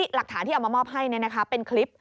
หลักฐานที่เอามามอบให้เป็นคลิป